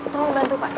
tolong bantu pak